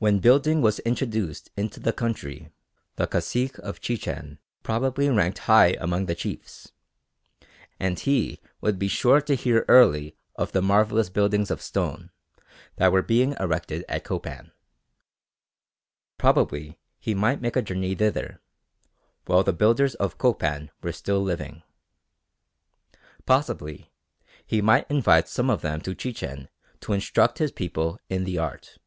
When building was introduced into the country the cacique of Chichen probably ranked high among the chiefs, and he would be sure to hear early of the marvellous buildings of stone that were being erected at Copan. Probably he might make a journey thither, while the builders of Copan were still living. Possibly he might invite some of them to Chichen to instruct his people in the art.